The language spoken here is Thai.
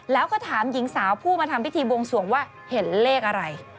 แล้วก็ถามหญิงสาวผู้มาทำพิธีบวงสวงว่าเห็นเลขอะไร